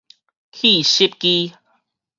去濕機